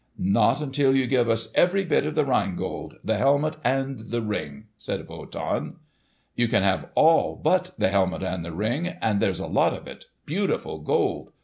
"Not until you give us every bit of the Rhine Gold, the helmet and the Ring," said Wotan. "You can have all but the helmet and the Ring; and there's a lot of it—beautiful Gold!"